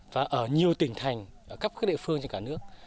và ở nhiều tỉnh thành ở khắp các địa phương trên cả nước